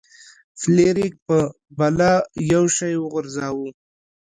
فلیریک په بلا یو شی وغورځاوه.